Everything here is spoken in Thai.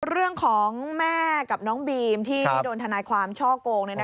เรื่องของแม่กับน้องบีมที่โดนทนายความช่อโกง